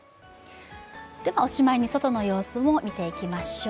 おしまいに外の様子も見ていきましょう。